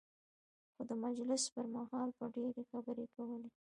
خو د مجلس پر مهال به ډېرې خبرې کولې.